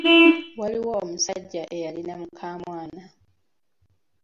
Waaliwo omusajja eyalina mukamwana.